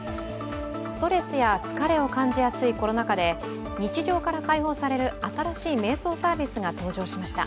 ストレスや疲れを感じやすいコロナ禍で日常から解放される新しいめい想サービスが登場しました。